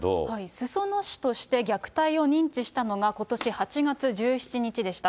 裾野市として虐待を認知したのが、ことし８月１７日でした。